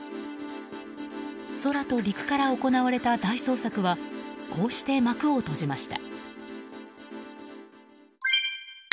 空と陸から行われた大捜索はこうして幕を閉じました。